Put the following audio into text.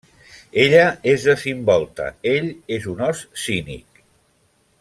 Ella és desimbolta, ell és un ós cínic.